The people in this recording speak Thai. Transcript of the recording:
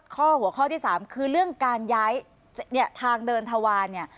ข้อหัวข้อที่๓คือเรื่องการย้ายเนี่ยทางเดินทวารเนี่ย